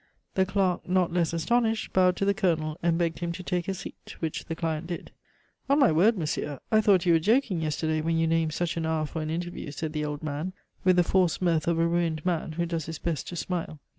The clerk, not less astonished, bowed to the Colonel and begged him to take a seat, which the client did. "On my word, monsieur, I thought you were joking yesterday when you named such an hour for an interview," said the old man, with the forced mirth of a ruined man, who does his best to smile.